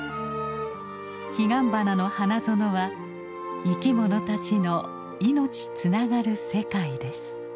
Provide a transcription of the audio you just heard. ヒガンバナの花園は生き物たちの命つながる世界です。